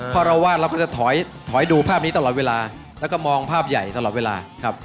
เพราะเราว่าเราก็จะถอยดูภาพนี้ตลอดเวลาแล้วก็มองภาพใหญ่ตลอดเวลาครับ